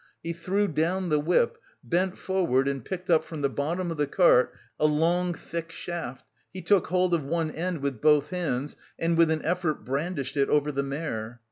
He threw down the whip, bent forward and picked up from the bottom of the cart a long, thick shaft, he took hold of one end with both hands and with an effort brandished it over the mare.